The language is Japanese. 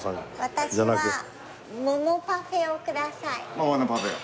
桃のパフェを。